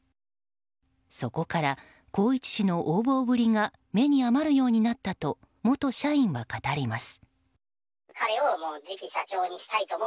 そこから宏一氏の横暴ぶりが目に余るようになったと元社員は語ります。